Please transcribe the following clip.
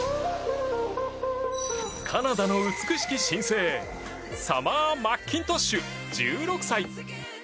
カナダの美しき新星サマー・マッキントッシュ１６歳。